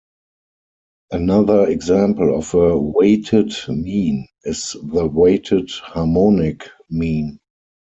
Another example of a weighted mean is the weighted harmonic mean.